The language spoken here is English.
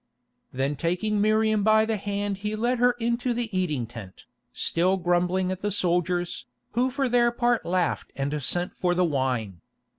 Then taking Miriam by the hand he led her into the eating tent, still grumbling at the soldiers, who for their part laughed and sent for the wine.